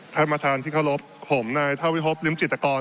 ท่านประธานที่เคารพผมนายท่าวิพบริมจิตกร